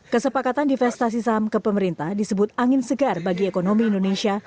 kesepakatan divestasi saham ke pemerintah disebut angin segar bagi ekonomi indonesia